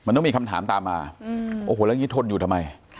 มันต้องมีคำถามตามมาโอ้โหแล้วอย่างนี้ทนอยู่ทำไม